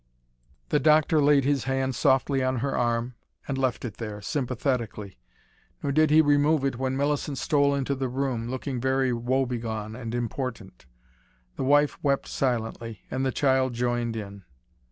The doctor laid his hand softly on her arm, and left it there, sympathetically. Nor did he remove it when Millicent stole into the room, looking very woe begone and important. The wife wept silently, and the child joined in.